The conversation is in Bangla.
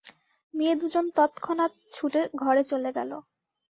মেয়ে দু জন তৎক্ষণাৎ ছুটে ঘরে চলে গেল।